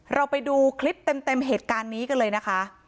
เราไปดูคลิปเต็มเหตุการณ์นี้กันเลยนะคะ